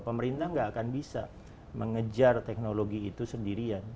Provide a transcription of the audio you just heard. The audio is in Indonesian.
pemerintah nggak akan bisa mengejar teknologi itu sendirian